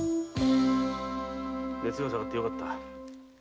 熱が下がってよかった。